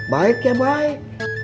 baik ya baik